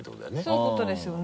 そういうことですよね。